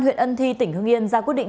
huyện ân thi tỉnh hương yên ra quyết định